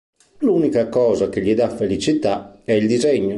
L'unica cosa che gli dà felicità è il disegno.